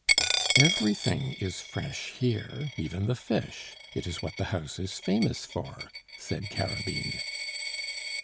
"Everything is fresh here, even the fish; it is what the house is famous for," said Carabine.